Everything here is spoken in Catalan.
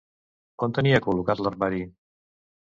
On tenia col·locat l'armari?